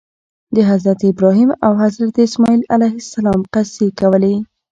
د حضرت ابراهیم او حضرت اسماعیل علیهم السلام قصې کولې.